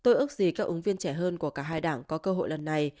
tôi ước gì các ứng viên trẻ hơn của cả hai đảng có cơ hội lần này